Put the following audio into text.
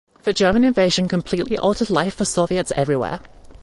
The German invasion completely altered life for Soviets everywhere.